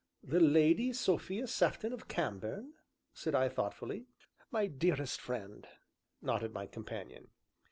"The Lady Sophia Sefton of Cambourne!" said I thoughtfully. "My dearest friend," nodded my companion.